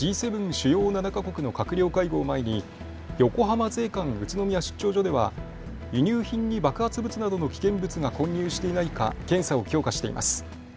・主要７か国の閣僚会合を前に横浜税関宇都宮出張所では輸入品に爆発物などの危険物が混入していないか検査を強化しています。